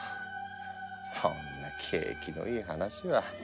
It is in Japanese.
そんなケイキのいい話は。